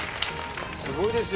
すごいですよ